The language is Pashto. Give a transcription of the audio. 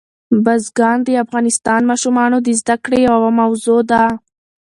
بزګان د افغان ماشومانو د زده کړې یوه موضوع ده.